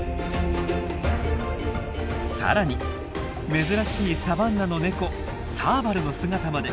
更に珍しいサバンナのネコサーバルの姿まで。